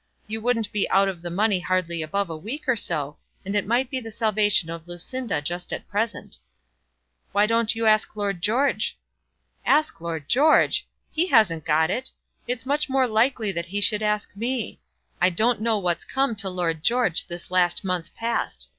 You wouldn't be out of the money hardly above a week or so, and it might be the salvation of Lucinda just at present." "Why don't you ask Lord George?" "Ask Lord George! He hasn't got it. It's much more likely that he should ask me. I don't know what's come to Lord George this last month past.